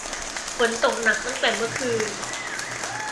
ฝนตกหนักตั้งแต่เมื่อคืน